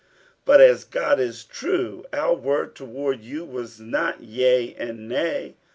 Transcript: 47:001:018 But as God is true, our word toward you was not yea and nay.